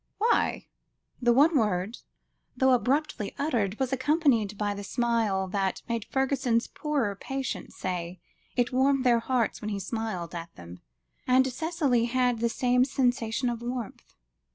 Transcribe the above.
"Why?" The one word, though abruptly uttered, was accompanied by the smile that made Fergusson's poorer patients say, it warmed their hearts when he smiled at them; and Cicely had the same sensation of warmth.